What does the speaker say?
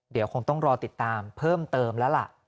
เดี๋ยวคงต้องรอติดตามเพิ่มเติมแล้วล่ะ